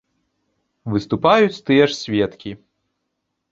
Выступаюць тыя ж сведкі.